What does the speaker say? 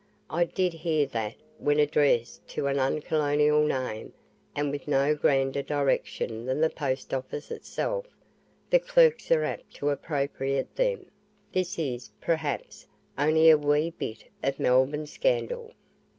I did hear that, when addressed to an uncolonial name, and with no grander direction than the Post office itself, the clerks are apt to apropriate them this is, perhaps, only a wee bit of Melbourne scandal.